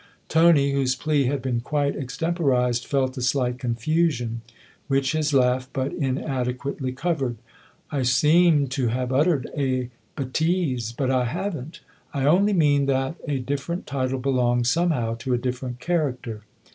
Tony, whose plea had been quite extemporised, felt a slight confusion, which his laugh but inadequately covered. i( I seem to have uttered a betise but I haven't. I only mean that a different title belongs, somehow, to a different character."